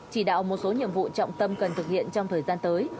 chỉ đạo một số nhiệm vụ trọng tâm cần thực hiện trong thời gian tới